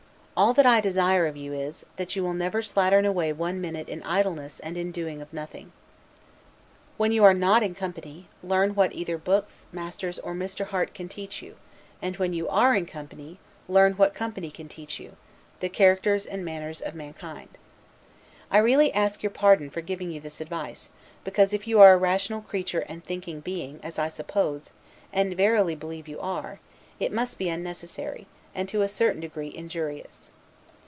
All that I desire of you is, that you will never slattern away one minute in idleness and in doing of nothing. When you are (not) in company, learn what either books, masters, or Mr. Harte, can teach you; and when you are in company, learn (what company can only teach you) the characters and manners of mankind. I really ask your pardon for giving you this advice; because, if you are a rational creature and thinking being, as I suppose, and verily believe you are, it must be unnecessary, and to a certain degree injurious.